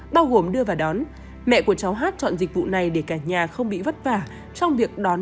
bao gồm đưa vào đón mẹ của cháu hát chọn dịch vụ này để cả nhà không bị vất vả trong việc đón